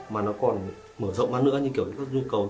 mà nó còn mở rộng mắt nữa như kiểu